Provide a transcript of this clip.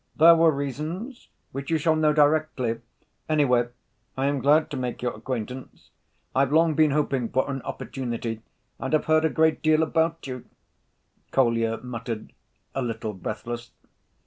"There were reasons which you shall know directly. Anyway, I am glad to make your acquaintance. I've long been hoping for an opportunity, and have heard a great deal about you," Kolya muttered, a little breathless.